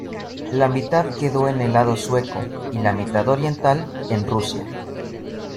La mitad quedó en el lado sueco, y la mitad oriental en Rusia.